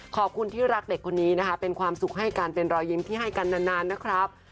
ขอบคุณที่รักเด็กคนนี้นะคะเป็นความสุขให้กันเป็นรอยยิ้มที่ให้กันนานนะครับ